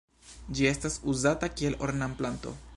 Ĝi estas uzata kiel ornamplanto.